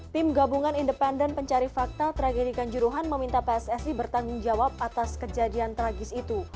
tim gabungan independen pencari fakta tragedi kanjuruhan meminta pssi bertanggung jawab atas kejadian tragis itu